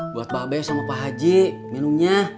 buat babes sama pak haji minumnya